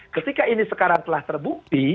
ketika ini sekarang telah terbukti